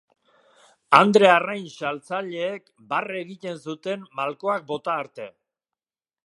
Andre arrain saltzaileek barre egiten zuten malkoak bota arte.